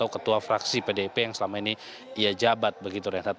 ketua fraksi pdp yang selama ini iya jabat begitu reinhardt